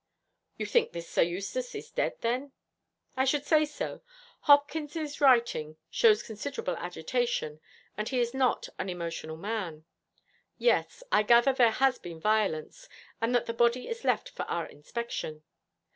'You think this Sir Eustace is dead, then?' 'I should say so. Hopkins's writing shows considerable agitation, and he is not an emotional man. Yes, I gather there has been violence, and that the body is left for our inspection.